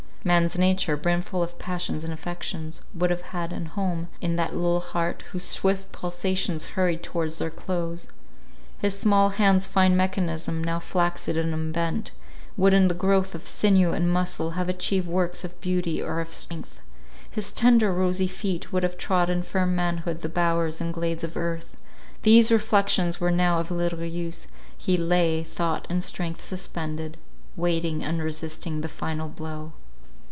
Man's nature, brimful of passions and affections, would have had an home in that little heart, whose swift pulsations hurried towards their close. His small hand's fine mechanism, now flaccid and unbent, would in the growth of sinew and muscle, have achieved works of beauty or of strength. His tender rosy feet would have trod in firm manhood the bowers and glades of earth— these reflections were now of little use: he lay, thought and strength suspended, waiting unresisting the final blow.